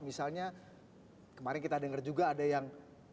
misalnya kemarin kita dengar juga ada yang